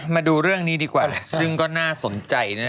มาดูเรื่องนี้ดีกว่าซึ่งก็น่าสนใจนะ